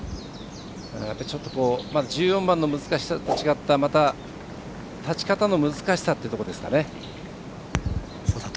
ちょっと１４番の難しさとは違った立ち方の難しさというところですか。